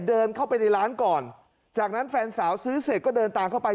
เดินเข้าไปในร้านก่อนจากนั้นแฟนสาวซื้อเสร็จก็เดินตามเข้าไป